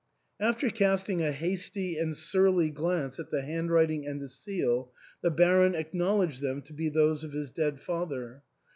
After casting a hasty and surly glance at the handwriting and the seal, the Baron acknowledged them to be those of his dead father.